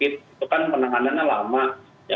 itu kan penanganannya lama